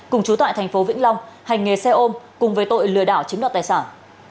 cùng chú tại thành phố vĩnh long hành nghề xe ôm cùng với tội lừa đảo chiếm đoạt tài sản